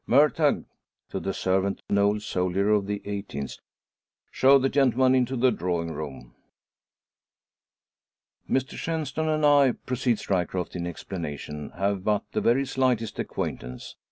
"Murtagh!" to the servant, an old soldier of the 18th, "show the gentleman into the drawing room." "Mr Shenstone and I," proceeds Ryecroft in explanation, "have but the very slightest acquaintance.